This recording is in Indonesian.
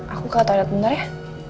aku ke toilet bentar ya